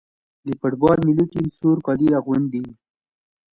د فوټبال ملي ټیم سور کالي اغوندي.